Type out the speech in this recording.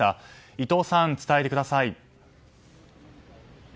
伊藤さん、伝えてください。